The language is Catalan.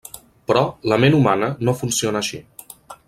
Però, la ment humana no funciona així.